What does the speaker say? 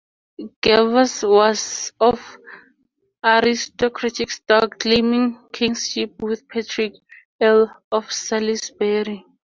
Gervase was of aristocratic stock, claiming kinship with Patrick, Earl of Salisbury.